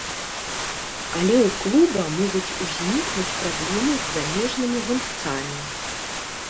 Але ў клуба могуць узнікнуць праблемы з замежнымі гульцамі.